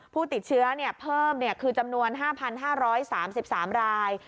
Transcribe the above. ผู้ติดเชื้อเพิ่มคือจำนวน๕๕๓๓ราย